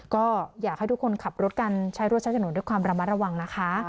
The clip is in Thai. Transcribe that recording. ก็อยากให้ทุกคนขับรถกันใช้รถใช้ถนนด้วยความระมัดระวังนะคะ